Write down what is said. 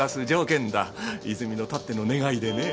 泉のたっての願いでね。